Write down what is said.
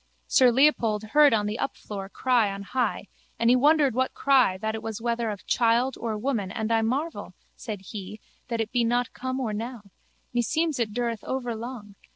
Sir Leopold heard on the upfloor cry on high and he wondered what cry that it was whether of child or woman and I marvel, said he, that it be not come or now. Meseems it dureth overlong.